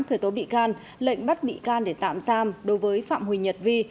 khởi tố bị can lệnh bắt bị can để tạm giam đối với phạm huỳnh nhật vi